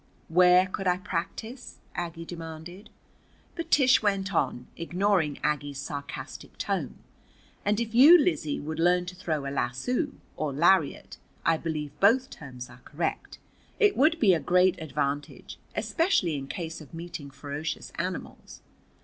"Where could I practice?" Aggie demanded. But Tish went on, ignoring Aggie's sarcastic tone. "And if you, Lizzie, would learn to throw a lasso, or lariat, I believe both terms are correct, it would be a great advantage, especially in case of meeting ferocious animals.